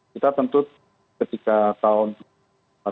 kita tentu ketika tahun empat belas ya